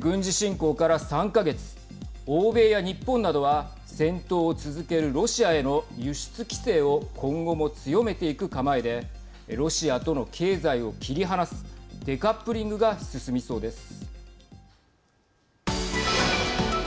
軍事侵攻から３か月欧米や日本などは戦闘を続けるロシアへの輸出規制を今後も強めていく構えでロシアとの経済を切り離すデカップリングが進みそうです。